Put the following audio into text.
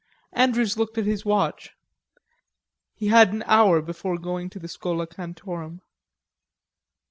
Andrews looked at his watch. He had an hour before going to the Schola Cantorum.